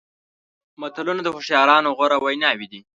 متلونه د هوښیارانو غوره ویناوې دي.